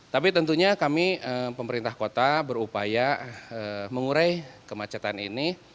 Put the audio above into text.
tapi tentunya kami pemerintah kota berupaya mengurai kemacetan ini